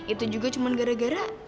itu juga cuma gara gara